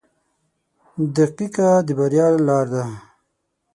• دقیقه د بریا لار ده.